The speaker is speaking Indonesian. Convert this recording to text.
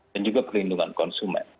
dan juga perlindungan konsumen